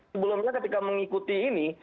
sebelumnya ketika mengikuti ini